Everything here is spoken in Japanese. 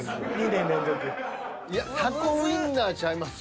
タコウインナーちゃいます？